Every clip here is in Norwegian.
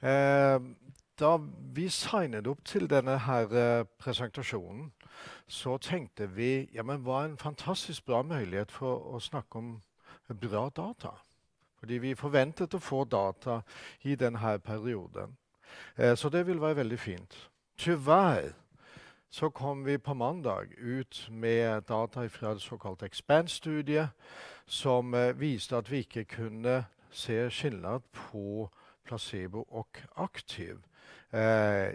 Da vi signet opp til denne her presentasjonen, så tenkte vi ja, men hva en fantastisk bra mulighet for å snakke om bra data, fordi vi forventet å få data i den her perioden, så det vil være veldig fint. Dessverre så kom vi på mandag ut med data ifra det såkalte EXPAND-studiet, som viste at vi ikke kunne se forskjell på placebo og aktiv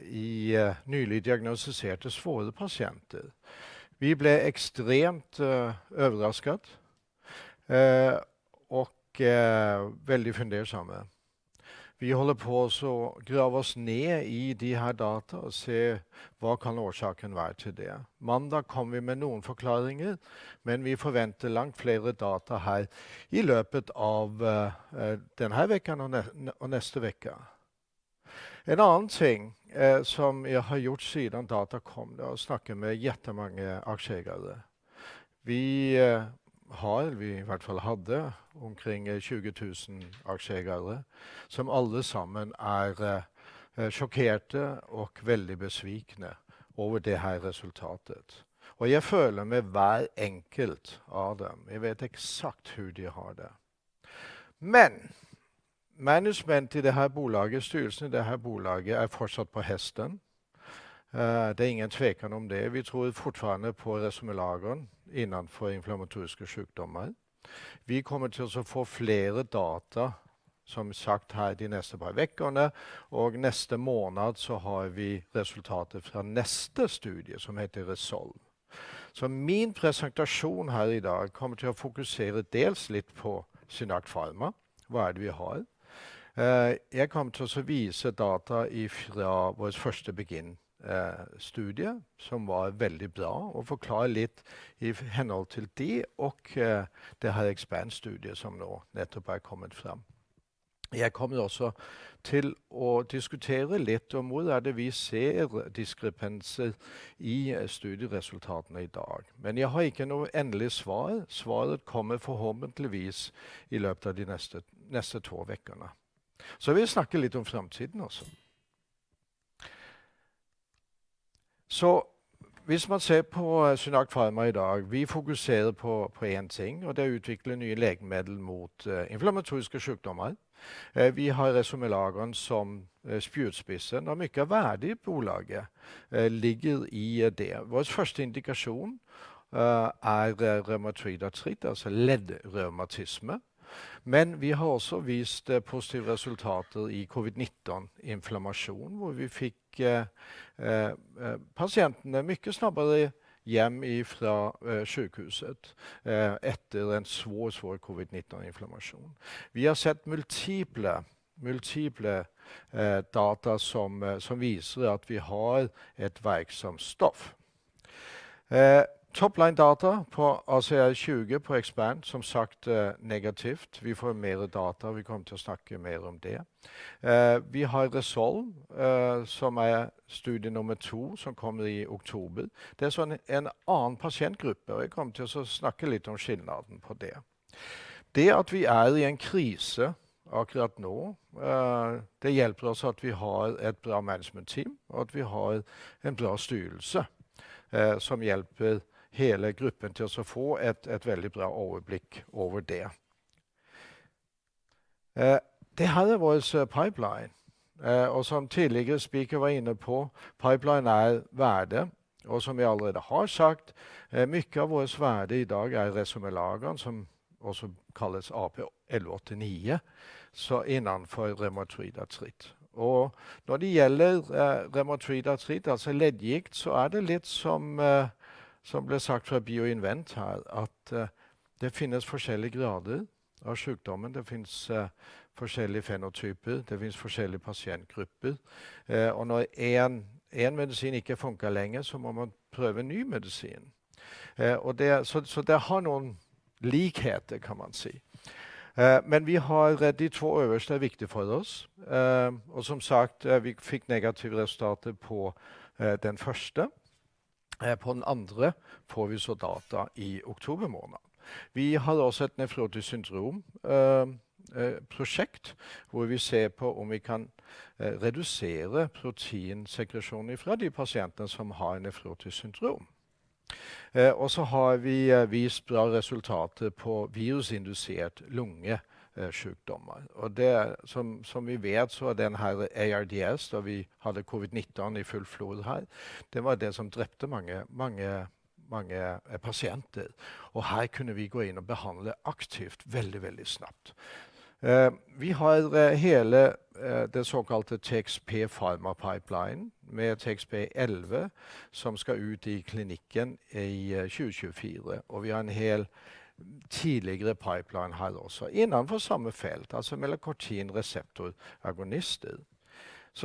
i nylig diagnostiserte svære pasienter. Vi ble ekstremt overrasket og veldig fundersomme. Vi holder på å grave oss ned i de her data og se. Hva kan årsaken være til det? Mandag kom vi med noen forklaringer, men vi forventer langt flere data her i løpet av den her uken og neste uke. En annen ting som jeg har gjort siden data kom det å snakke med jettemange aksjeeiere. Vi har, vi i hvert fall hadde omkring tjue tusen aksjeeiere som alle sammen er sjokkerte og veldig beskjemmet over det her resultatet. Jeg føler med hver enkelt av dem. Jeg vet eksakt hvordan de har det, men management i det her bolaget, styrelsen i det her bolaget er fortsatt på hesten. Det er ingen tvil om det. Vi tror fortsatt på ressumelagen innenfor inflammatoriske sykdommer. Vi kommer til å få flere data, som sagt her de neste par ukene og neste måned så har vi resultater fra neste studie som heter RESOLVE. Min presentasjon her i dag kommer til å fokusere dels litt på Zynact Pharma. Hva er det vi har? Jeg kommer til å vise data ifra vårt første begynn studie, som var veldig bra og forklarer litt i henhold til de og det har EXPAND studie som nå nettopp er kommet fram. Jeg kommer også til å diskutere litt om hvor det er vi ser diskrepanser i studieresultatene i dag, men jeg har ikke noe endelig svar. Svaret kommer forhåpentligvis i løpet av de neste to ukene. Jeg vil snakke litt om framtiden også. Hvis man ser på Zynact Pharma i dag, vi fokuserer på en ting, og det er å utvikle nye legemidler mot inflammatoriske sykdommer. Vi har Ressumelagen som spydspissen og mye verdi i bolaget ligger i det. Vår første indikasjon er revmatoid artritt, altså leddgikt. Men vi har også vist positive resultater i COVID-19 inflammasjon, hvor vi fikk pasientene mye raskere hjem fra sykehuset etter en svær COVID-19 inflammasjon. Vi har sett multiple data som viser at vi har et virksomt stoff. Topline data på ACR20 på EXPAND som sagt negativt. Vi får mer data. Vi kommer til å snakke mer om det. Vi har RESOLVE som er studie nummer to som kommer i oktober. Det er en annen pasientgruppe. Jeg kom til å snakke litt om skillnaden på det. Det at vi er i en krise akkurat nå, det hjelper oss at vi har et bra management team og at vi har en bra styrelse som hjelper hele gruppen til å få et veldig bra overblikk over det. Det her er vores pipeline, og som tidligere speaker var inne på pipeline er verdt. Som vi allerede har sagt, mye av vores verdt i dag er ressumelagen, som også kalles AP-1189. Innenfor revmatoid artritt og når det gjelder revmatoid artritt, altså leddgikt, så er det litt som ble sagt fra Bioinvent her at det finnes forskjellige grader av sykdommen. Det finnes forskjellige fenotyper. Det finnes forskjellige pasientgrupper, og når en medisin ikke funker lenger, så må man prøve en ny medisin. Det har noen likheter kan man si. Men vi har de to øverste er viktig for oss. Som sagt, vi fikk negative resultater på den første. På den andre får vi data i oktober måned. Vi har også et nefrotisk syndrom prosjekt hvor vi ser på om vi kan redusere proteinsekresjonen ifra de pasientene som har nefrotisk syndrom. Vi har vist bra resultater på virusindusert lunge sykdommer, og det som vi vet så er den her ARDS og vi hadde COVID-19 i full flor her. Det var det som drepte mange, mange, mange pasienter, og her kunne vi gå inn og behandle aktivt veldig, veldig snabbt. Vi har hele det såkalte TXP Pharma pipeline med TXP elleve, som skal ut i klinikken i 2024, og vi har en hel tidligere pipeline her også innenfor samme felt, altså melankortin reseptor agonister.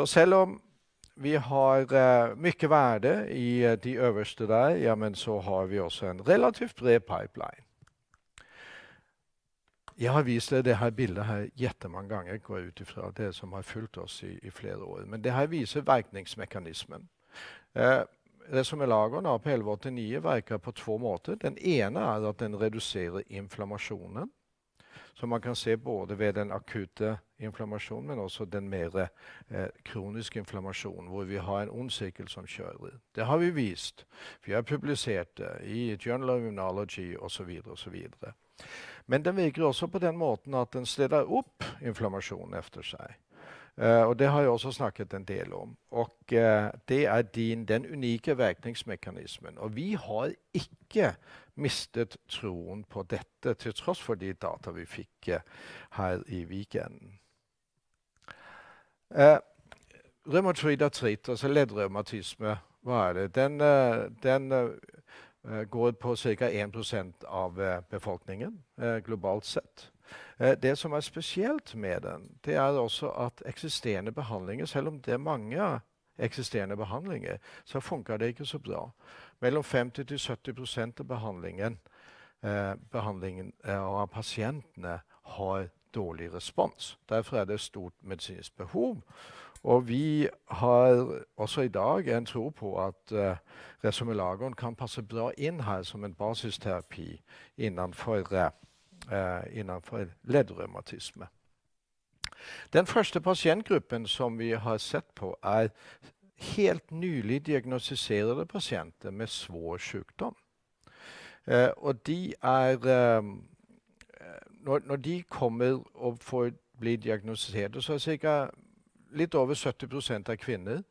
Selv om vi har mye verdt i de øverste der, ja, men så har vi også en relativt bred pipeline. Jeg har vist det, det her bildet her jettemange ganger, går jeg ut ifra. Det som har fulgt oss i flere år. Men det her viser virkningsmekanismen. Det som er ressumelagen AP-1189 virker på to måter. Den ene er at den reduserer inflammasjonen. Man kan se både ved den akutte inflammasjon, men også den mere kroniske inflammasjon hvor vi har en ond sirkel som kjører. Det har vi vist, for jeg har publisert det i et journal of immunology og så videre, og så videre. Men den virker også på den måten at den setter opp inflammasjon etter seg. Det har jeg også snakket en del om, og det er den unike virkningsmekanismen. Vi har ikke mistet troen på dette, til tross for de data vi fikk her i weekenden. Reumatoid artritt, altså leddgikt. Hva er det? Den går på cirka 1% av befolkningen globalt sett. Det som er spesielt med den, det er også at eksisterende behandlinger, selv om det er mange eksisterende behandlinger, så funker det ikke så bra. Mellom 50% til 70% av behandlingen av pasientene har dårlig respons. Derfor er det et stort medisinsk behov, og vi har også i dag en tro på at resomilagon kan passe bra inn her som en basisterapi innenfor leddgikt. Den første pasientgruppen som vi har sett på er helt nylig diagnostiserte pasienter med svær sykdom, og de er når de kommer og får bli diagnostisert, så er cirka litt over 70% kvinner.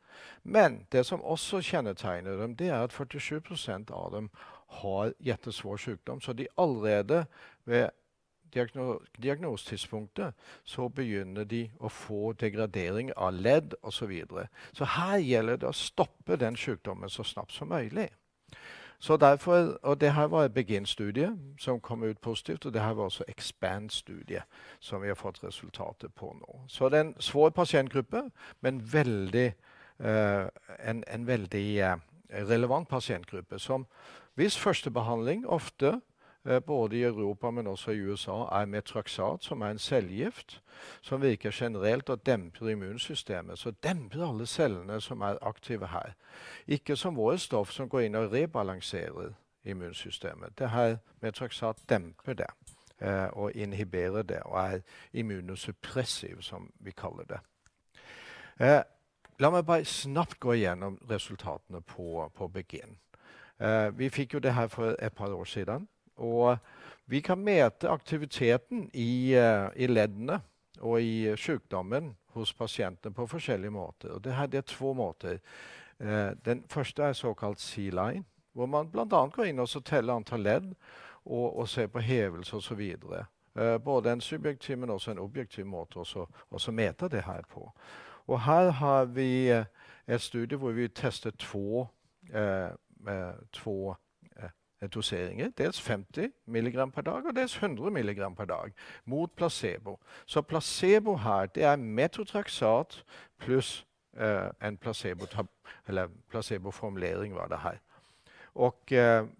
Men det som også kjennetegner dem, det er at 47% av dem har veldig svær sykdom, så de allerede ved diagnosetidspunktet så begynner de å få degradering av ledd og så videre. Her gjelder det å stoppe den sykdommen så snabbt som mulig. Derfor, og det her var et BEGIN-studie som kom ut positivt. Det her var også EXPAND-studie som vi har fått resultatet på nå. Det er en svær pasientgruppe, men veldig en, en veldig relevant pasientgruppe som hvis første behandling ofte både i Europa men også i USA, er metotrexat, som er en cellegift som virker generelt og demper immunsystemet, demper alle cellene som er aktive her. Ikke som vårt stoff som går inn og rebalanserer immunsystemet. Det her metotrexat demper det og inhiberer det og er immunosuppressiv som vi kaller det. La meg bare raskt gå gjennom resultatene på begin. Vi fikk jo det her for et par år siden, og vi kan måle aktiviteten i leddene og i sykdommen hos pasientene på forskjellige måter. Det her er to måter. Den første er såkalt C line, hvor man blant annet går inn og teller antall ledd og ser på hevelse og så videre. Både en subjektiv, men også en objektiv måte å se det her på. Og her har vi en studie hvor vi tester to doseringer. Dels 50 milligram per dag og dels 100 milligram per dag mot placebo. Så placebo her, det er metotrexat pluss en placebotablett eller placeboformulering var det her. Og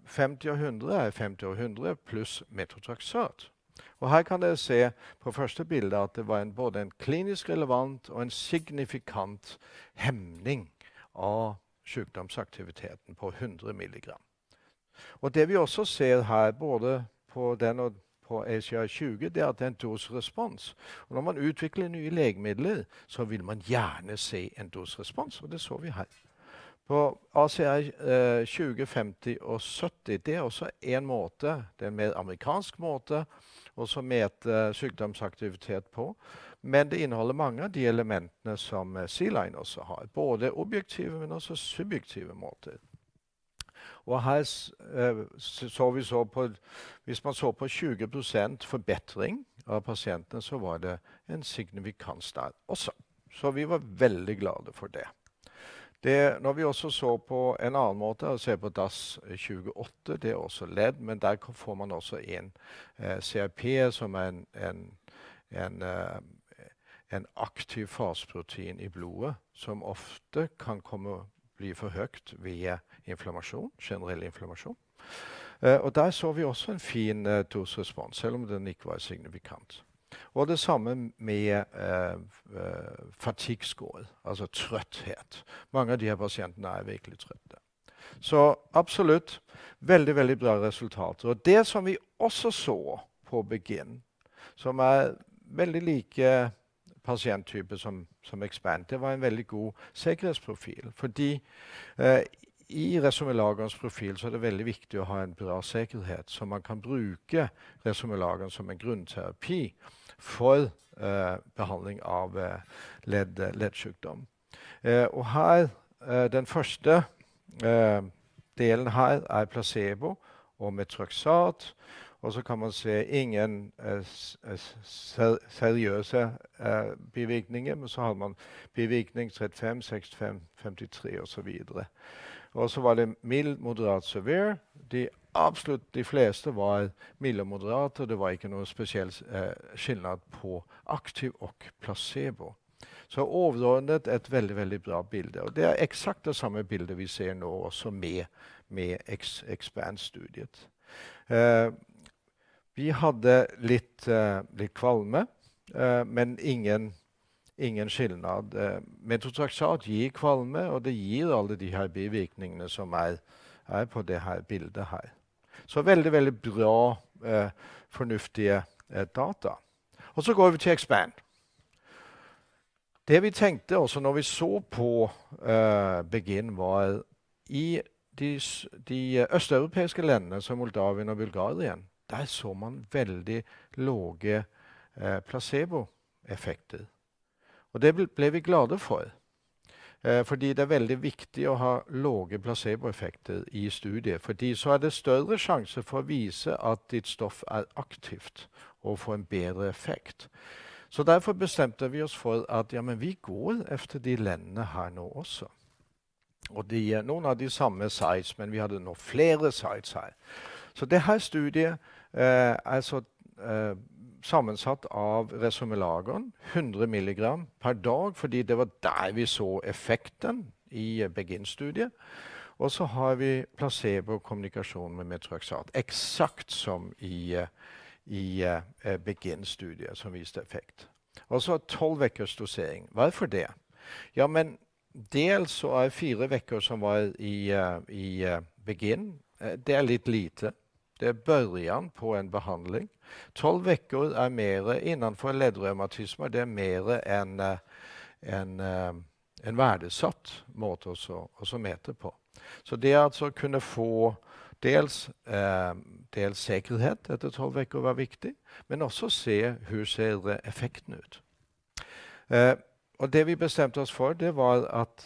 50 og 100 er 50 og 100 pluss metotrexat. Og her kan dere se på første bildet at det var en både en klinisk relevant og en signifikant hemning av sykdomsaktiviteten på 100 milligram. Og det vi også ser her, både på den og på ACR 20, det er at en dose respons. Og når man utvikler nye legemidler så vil man gjerne se en dose respons, og det så vi her. På ACR 20, 50 og 70. Det er også en måte, det er en mer amerikansk måte å måle sykdomsaktivitet på, men det inneholder mange av de elementene som C line også har, både objektive, men også subjektive måter. Og her så vi på... Hvis man så på 20% forbedring av pasientene, så var det en signifikans der også. Så vi var veldig glade for det. Det når vi også så på en annen måte å se på DAS 28. Det er også ledd, men der får man også inn CRP som er et aktivt faseprotein i blodet som ofte kan komme å bli for høyt ved inflammasjon, generell inflammasjon. Og der så vi også en fin dose respons, selv om den ikke var signifikant. Og det samme med fatikkskår, altså trøtthet. Mange av de pasientene er virkelig trøtte. Absolutt veldig, veldig bra resultater og det som vi også så på begin, som er veldig like pasienttyper, som expand. Det var en veldig god sikkerhetsprofil fordi i resomilagon profil så er det veldig viktig å ha en bra sikkerhet så man kan bruke resomilagon som en grunnterapi for behandling av ledd, leddsykdom. Og her den første delen her er placebo og metotrexat, og så kan man se ingen seriøse bivirkninger. Men så har man bivirkning 35, 65, 53 og så videre. Og så var det mild, moderat, severe. De absolutt de fleste var milde og moderate. Det var ikke noe spesiell forskjell på aktiv og placebo. Overordnet et veldig, veldig bra bilde. Og det er eksakt det samme bildet vi ser nå også med expand studiet. Vi hadde litt kvalme, men ingen skillnad. Metotrexat gir kvalme, og det gir alle de her bivirkningene som er på det her bildet her. Så veldig, veldig bra fornuftige data. Og så går vi til expand. Det vi tenkte oss når vi så på begin var i de østeuropeiske landene, som Moldavia og Bulgaria. Der så man veldig lave placeboeffekter, og det ble vi glade for. Fordi det er veldig viktig å ha lave placeboeffekter i studiet, fordi så er det større sjanse for å vise at ditt stoff er aktivt og får en bedre effekt. Så derfor bestemte vi oss for at ja, men vi går etter de landene her nå også, og de noen har de samme size. Men vi hadde nok flere size her. Så det her studiet er altså sammensatt av resomelagon hundre milligram per dag, fordi det var der vi så effekten i begin studiet. Og så har vi placebo og kommunikasjon med metotrexat, eksakt som i BEGIN-studiet som viste effekt. Og så tolv ukers dosering. Hvorfor det? Ja, men dels så er fire uker som var i BEGIN, det er litt lite. Det er begynnelsen på en behandling. Tolv uker er mere innenfor leddrevmatisme. Det er mere en verdsatt måte å måte på. Så det å kunne få dels sikkerhet etter tolv uker var viktig, men også se hur ser effekten ut? Og det vi bestemte oss for, det var at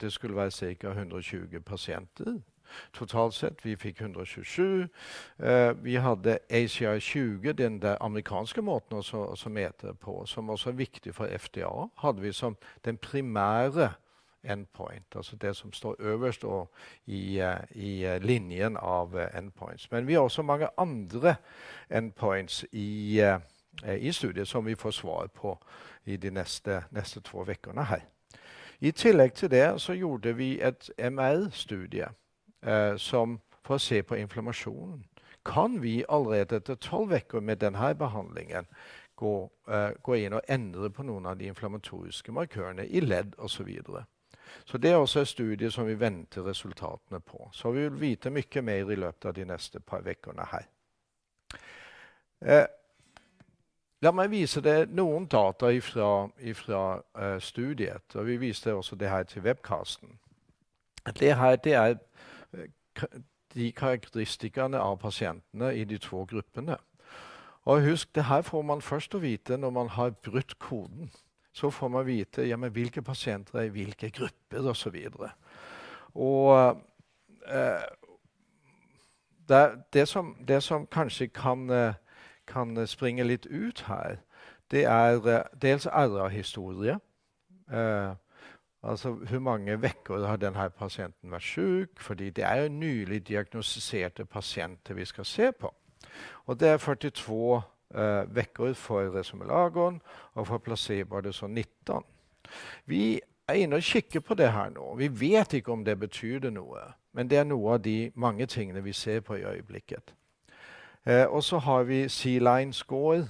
det skulle være cirka hundre og tjue pasienter totalt sett. Vi fikk hundre og tjuesju. Vi hadde ACR tjue. Den der amerikanske måten å måte på, som også er viktig for FDA, hadde vi som den primære endpoint. Altså det som står øverst i linjen av endpoints. Men vi har også mange andre endpoints i studiet som vi får svar på i de neste to ukene her. I tillegg til det så gjorde vi et MR studie for å se på inflammasjon. Kan vi allerede etter tolv uker med den her behandlingen gå inn og endre på noen av de inflammatoriske markørene i ledd og så videre. Det er også en studie som vi venter resultatene på. Vi vil vite mye mer i løpet av de neste par ukene her. La meg vise deg noen data fra studiet, og vi viste også det her til webcasten. Det her, det er karakteristikkene av pasientene i de to gruppene. Husk, det her får man først å vite når man har brutt koden. Får man vite ja, men hvilke pasienter er i hvilke grupper og så videre. Det er det som kanskje kan springe litt ut her. Det er dels alder og historie. Altså, hvor mange uker har den her pasienten vært syk fordi det er nylig diagnostiserte pasienter vi skal se på? For resomelagon er det 42 uker og for placebo er det 19. Vi er inne og kikker på det her nå. Vi vet ikke om det betydde noe, men det er noen av de mange tingene vi ser på i øyeblikket. Så har vi C line score.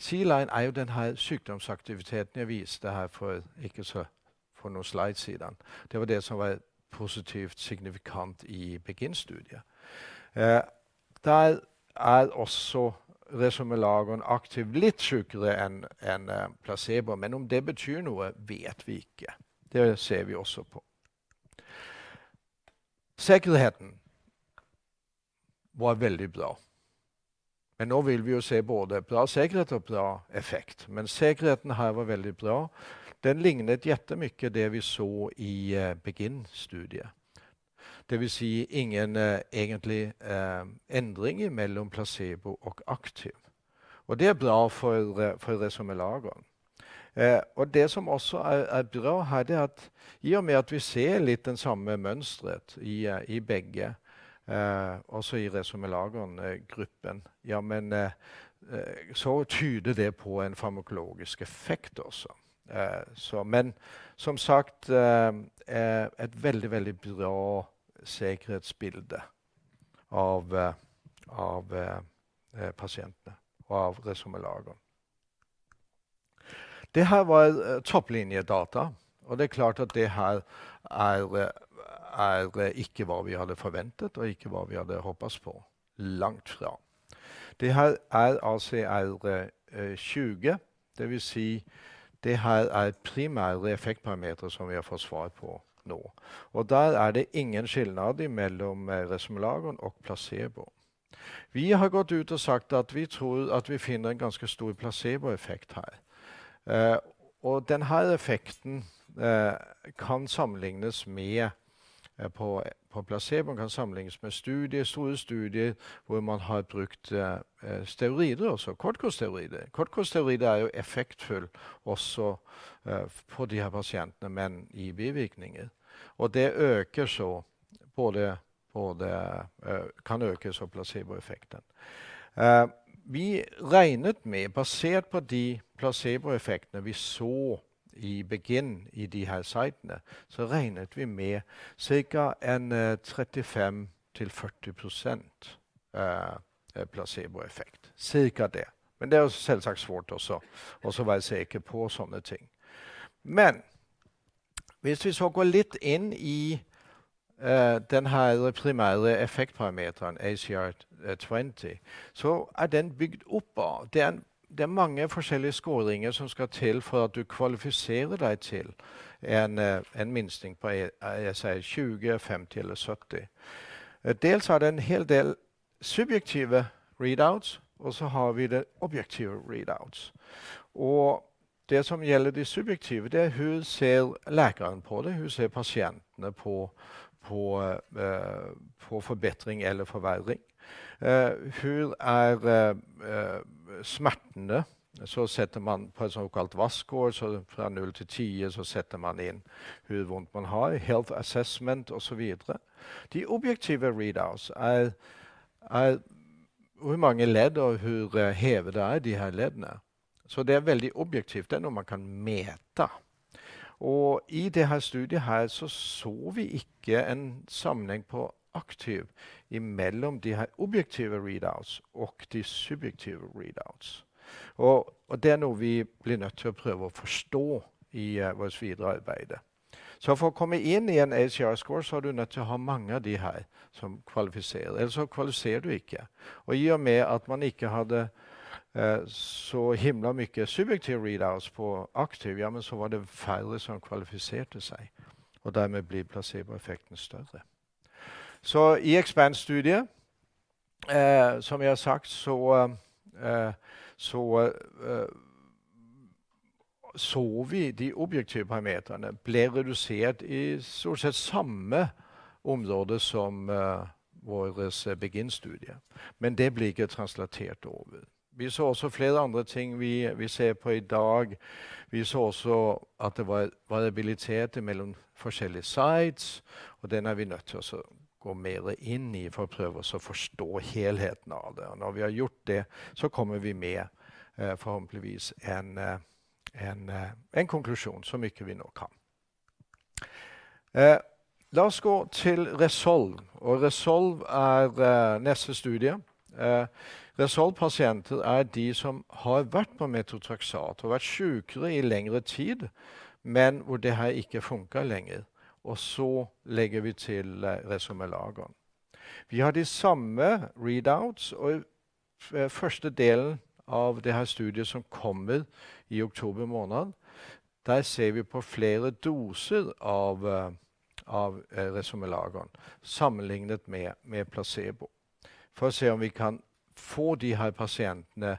C line er jo den her sykdomsaktiviteten jeg viste her for noen slides siden. Det var det som var positivt signifikant i begin studiet. Der er også resomelagon aktiv, litt sykere enn placebo. Men om det betyr noe vet vi ikke. Det ser vi også på. Sikkerheten var veldig bra. Men nå vil vi jo se både bra sikkerhet og bra effekt. Men sikkerheten her var veldig bra. Den lignet jettemye det vi så i BEGIN studiet. Det vil si ingen egentlig endring mellom placebo og aktiv. Det er bra for resomelagon. Det som også er bra her, det er at i og med at vi ser litt den samme mønsteret i begge og så i resomelagon gruppen, ja men så tyder det på en farmakologisk effekt også. Men som sagt, et veldig, veldig bra sikkerhetsbilde av pasientene og av resomelagon. Det her var topplinje data. Det er klart at det her er ikke hva vi hadde forventet og ikke hva vi hadde håpet på. Langt fra. Det her er ACR tjue. Det vil si, det her er primære effekt parameter som vi har fått svar på nå. Og der er det ingen forskjell mellom resomelagon og placebo. Vi har gått ut og sagt at vi tror at vi finner en ganske stor placeboeffekt her, og den her effekten kan sammenlignes med på, på placebo kan sammenlignes med studier, store studier hvor man har brukt steroider og kortison steroider. Kortison steroider er jo effektfull også på de har pasientene, men i bivirkninger, og det øker så både og det kan øke så placeboeffekten. Vi regnet med basert på de placeboeffekten vi så i begin i de her sidene, så regnet vi med cirka en 35% til 40% placebo effekt. Cirka det. Men det er jo selvsagt vanskelig å så, å så være sikker på sånne ting. Men hvis vi så går litt inn i den her primære effekt parameteren ACR20, så er den bygd opp av den. Det er mange forskjellige skåringer som skal til for at du kvalifiserer deg til en minskning på jeg sier tjue, femti eller søtti prosent. Dels er det en hel del subjektive readouts, og så har vi det objektive readouts. Og det som gjelder de subjektive, det er hvordan ser legen på det? Hvordan ser pasientene på forbedring eller forverring? Hvordan er smertene? Så setter man på en såkalt VAS-skår, så fra null til ti, så setter man inn hvor vondt man har i health assessment og så videre. De objektive readouts er hvor mange ledd og hvor hevet det er i de her leddene, så det er veldig objektivt. Det er noe man kan måle. Og i det her studiet her så så vi ikke en sammenheng på aktiv imellom de her objektive readouts og de subjektive readouts. Det er noe vi blir nødt til å prøve å forstå i vårt videre arbeid. For å komme inn i en ACR score så er du nødt til å ha mange av de her som kvalifiserer, eller så kvalifiserer du ikke. I og med at man ikke hadde så himla mye subjektive readouts på aktiv, men så var det færre som kvalifiserte seg, og dermed blir placeboeffekten større. I EXPAND studiet, som jeg har sagt, så så vi de objektive parametrene ble redusert i stort sett samme område som våres BEGIN studie, men det blir ikke translatert over. Vi så også flere andre ting vi ser på i dag. Vi så også at det var variabilitet mellom forskjellige sites, og den er vi nødt til å gå mer inn i for å prøve å forstå helheten av det. Og når vi har gjort det, så kommer vi med forhåpentligvis en konklusjon, så mye vi nå kan. La oss gå til RESOLVE, og RESOLVE er neste studie. RESOLVE pasienter er de som har vært på metotrexat og vært sykere i lengre tid, men hvor det har ikke funket lenger. Og så legger vi til resomelagon. Vi har de samme readouts, og første delen av det her studiet som kommer i oktober måned. Der ser vi på flere doser av resomelagon sammenlignet med placebo. For å se om vi kan få de her pasientene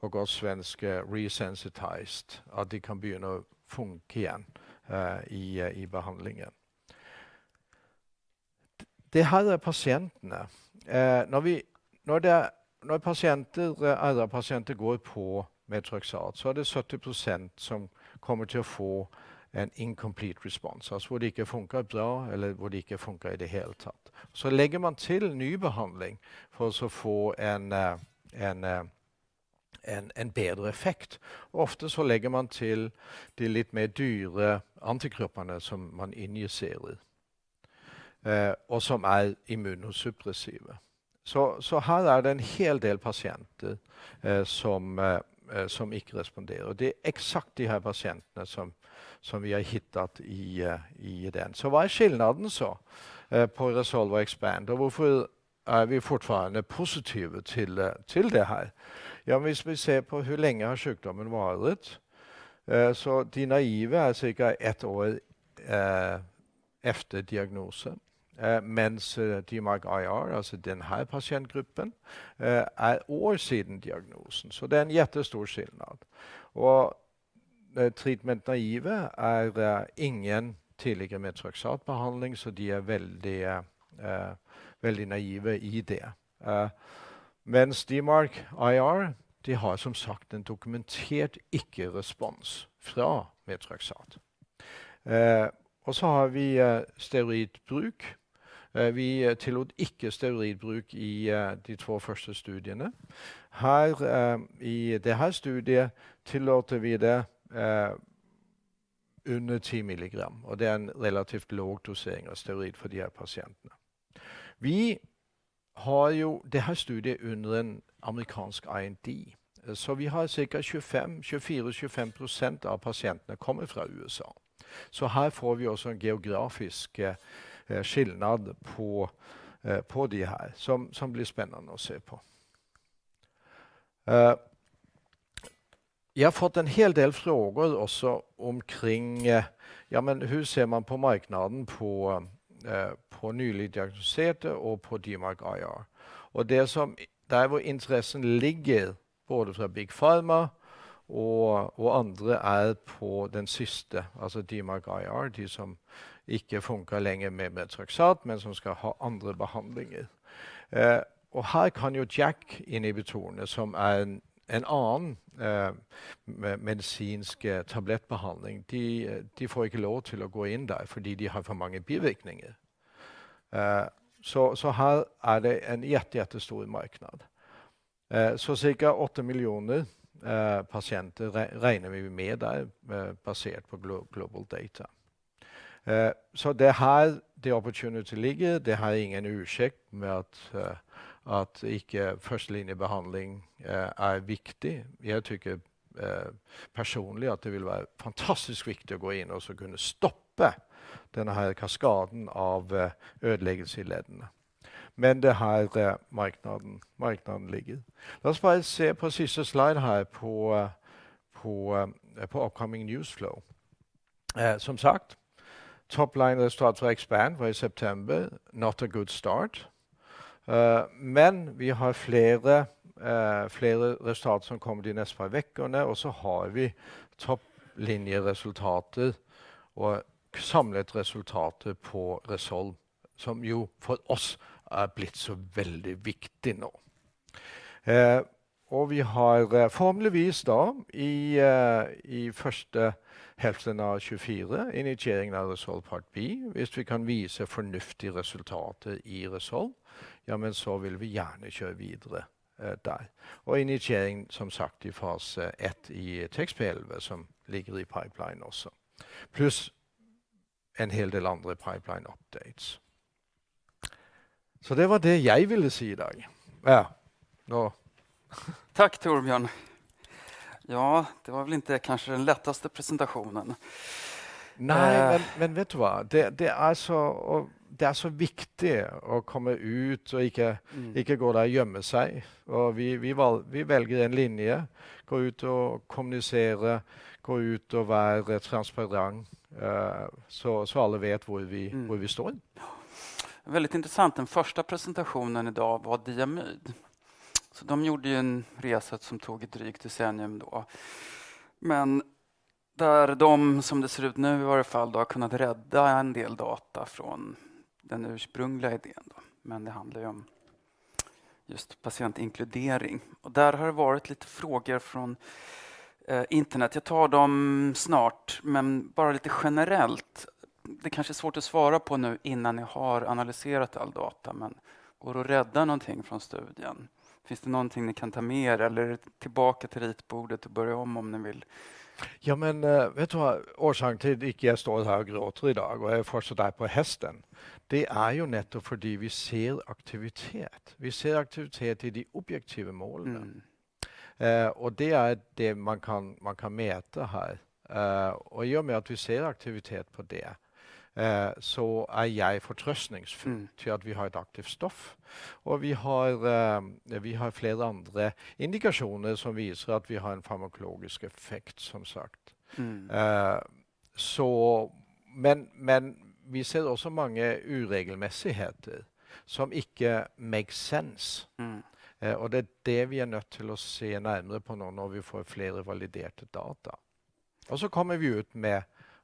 på godt svenske resensitized. At de kan begynne å funke igjen i behandlingen. Det her er pasientene. Når vi... Når det er når pasienter, andre pasienter går på metotrexat, så er det 70% som kommer til å få en incomplete respons, altså hvor det ikke funker bra eller hvor det ikke funker i det hele tatt. Så legger man til ny behandling for å få en bedre effekt. Ofte så legger man til de litt mer dyre antistoffene som man injiserer i, og som er immunosuppressive. Så her er det en hel del pasienter som ikke responderer. Det er eksakt de her pasientene som vi har hittat i den. Så hva er forskjellen så på resolve og expand? Hvorfor er vi fortsatt positive til det her? Ja, hvis vi ser på hvor lenge har sykdommen vart? Så de naive er cirka ett år etter diagnose, mens DMARK-IR, altså den her pasientgruppen er år siden diagnosen. Så det er en jättestor forskjell. Treatment naive er det ingen tidligere metotrexat behandling, så de er veldig, veldig naive i det. Mens DMARK-IR, de har som sagt en dokumentert ikke respons fra metotrexat. Og så har vi steroidbruk. Vi tillot ikke steroidbruk i de to første studiene. Her i det her studiet tillater vi det under ti milligram, og det er en relativt lav dosering av steroid for de her pasientene. Vi har jo det her studiet under en amerikansk IND, så vi har cirka 24-25% av pasientene kommer fra USA, så her får vi også en geografisk skillnad på de her som blir spennende å se på. Jeg har fått en hel del spørsmål også omkring, ja, men hur ser man på marknaden på nylig diagnostiserte og på DMARK-IR og det som... Der hvor interessen ligger, både fra Big Pharma og andre, er på den siste. Altså DMARD-IR, de som ikke funker lenger med metotrexat, men som skal ha andre behandlinger. Her kan jo JAK-inhibitore, som er en annen medisinske tablettbehandling, de får ikke lov til å gå inn der fordi de har for mange bivirkninger. Her er det en kjempe, kjempestor marknad. Cirka åtte millioner patienter regner vi med, det er basert på global data. Det her, det opportunity ligger. Det har ingen unnskyldning med at ikke første linje behandling er viktig. Jeg synes personlig at det ville være fantastisk viktig å gå inn og kunne stoppe den her kaskaden av ødeleggelse i leddene. Men det har marknaden, marknaden ligger. La oss bare se på siste slide her på upcoming news flow. Som sagt, top line resultatet Expand var i september. Not a good start. Men vi har flera, flera resultat som kommer de nästa veckorna och så har vi topplinjeresultatet och samlat resultatet på Resolve, som ju för oss har blivit så väldigt viktigt nu. Vi har formlig vis då i första hälften av tjugofyra initiering av Resolve part B. Hvis vi kan visa förnuftig resultatet i Resolve, ja men så vill vi gärna köra vidare där. Initiering som sagt, i fas ett i TXP elva som ligger i pipeline också. Plus en hel del andra pipeline updates. Så det var det jag ville säga idag. Ja, då. Tack Torbjörn! Ja, det var väl inte kanske den lättaste presentationen. Nej, men vet du vad? Det är så viktigt att komma ut och inte gå och gömma sig. Och vi väljer en linje, gå ut och kommunicera, gå ut och vara transparent. Så alla vet var vi står. Väldigt intressant. Den första presentationen idag var Diamyd. De gjorde ju en resa som tog ett drygt decennium då. Men där de, som det ser ut nu i varje fall då, har kunnat rädda en del data från den ursprungliga idén. Men det handlar ju om just patientinkludering. Där har det varit lite frågor från internet. Jag tar dem snart, men bara lite generellt. Det kanske är svårt att svara på nu innan ni har analyserat all data, men går det att rädda någonting från studien? Finns det någonting ni kan ta med er eller tillbaka till ritbordet och börja om, om ni vill? Ja, men vet du vad? Orsaken till att inte jag står här och gråter i dag och är fortsatt där på hästen, det är ju netto för att vi ser aktivitet. Vi ser aktivitet i de objektiva målen. Och det är det man kan mäta här. Och i och med att vi ser aktivitet på det, så är jag förtröstningsfull till att vi har ett aktivt stoff och vi har flera andra indikationer som visar att vi har en farmakologisk effekt som sagt. Men vi ser också många oregelmässigheter som inte makes sense. Och det är det vi är nödda till att se närmare på när vi får flera validerade data. Och så kommer vi ut med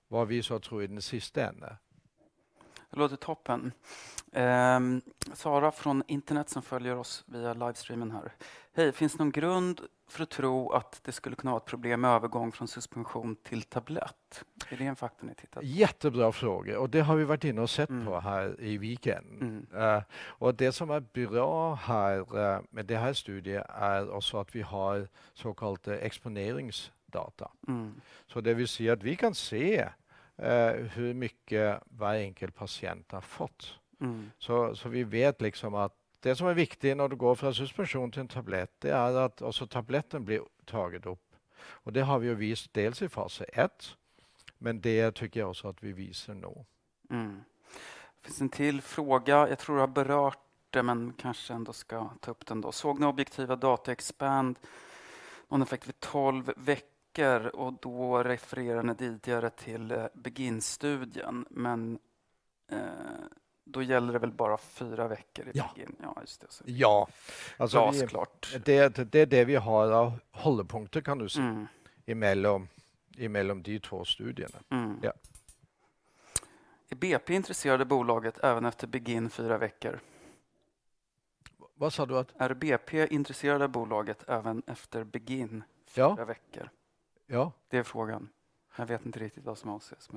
vad vi så tror i den sista änden. Det låter toppen. Sara från internet som följer oss via livestreamen här. Hej, finns det någon grund för att tro att det skulle kunna vara ett problem med övergång från suspension till tablett? Är det en faktor ni tittat på? Jättebra fråga och det har vi varit inne och sett på här i weekenden. Och det som är bra här med det här studiet är också att vi har så kallad exponeringsdata. Det vill säga att vi kan se hur mycket varje enskild patient har fått. Vi vet att det som är viktigt när du går från suspension till en tablett, det är att också tabletten blir tagen upp. Och det har vi ju visat dels i fas ett, men det tycker jag också att vi visar nu. Finns en till fråga. Jag tror jag har berört det, men kanske ändå ska ta upp den då. Såg ni objektiva data Expand, ungefär vid tolv veckor och då refererar ni tidigare till beginstudien. Men då gäller det väl bara fyra veckor i begin? Ja. Ja, just det. Ja. Glasklart. Det är det vi har av hållpunkter kan du säga, emellan de två studierna. Är BP intresserade av bolaget även efter början fyra veckor? Vad sa du att? Är BP intresserad av bolaget även efter begin- Ja, fyra veckor? Ja, det är frågan. Jag vet inte riktigt vad som avses.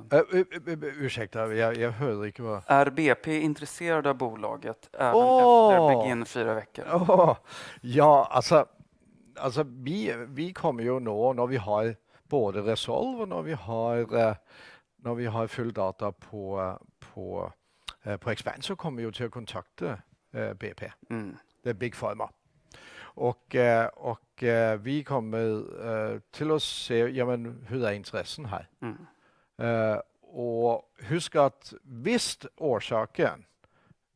Ursäkta, jag hörde inte vad. Är BP intresserad av bolaget även efter- Åh! Börja fyra veckor? Ja, alltså vi kommer ju nog när vi har både Resolve och när vi har full data på Expand, så kommer vi ju till att kontakta BP. Det är Big Pharma. Och vi kommer till att se, ja men hur är intressen här? Mm. Och husk att visst orsaken,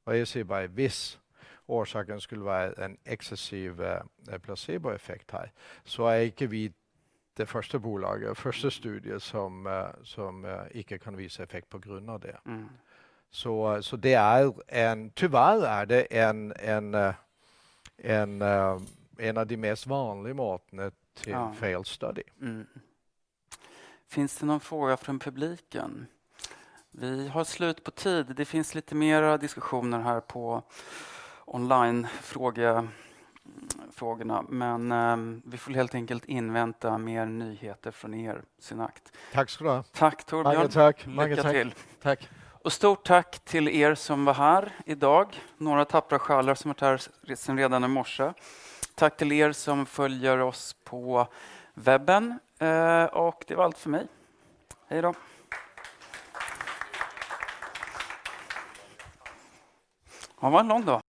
och jag säger bara visst, orsaken skulle vara en excessiv placeboeffekt här, så är inte vi det första bolaget, första studien som inte kan visa effekt på grund av det. Mm. Det är tyvärr en av de mest vanliga måtten till fail study. Finns det någon fråga från publiken? Vi har slut på tid. Det finns lite mer diskussioner här på online frågor, frågorna, men vi får helt enkelt invänta mer nyheter från er sin akt. Tack ska du ha! Tack, Torbjörn. Tack, tack. Lycka till. Tack. Och stort tack till er som var här idag. Några tappra själar som varit här sen redan i morse. Tack till er som följer oss på webben. Och det var allt för mig. Hejdå! Det var en lång dag.